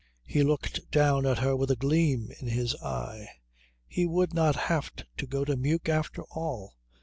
He looked down at her with a gleam in his eye; he would not have to go to Meuk after all.